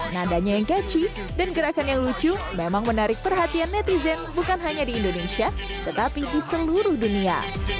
nadanya yang ketchy dan gerakan yang lucu memang menarik perhatian netizen bukan hanya di indonesia tetapi di seluruh dunia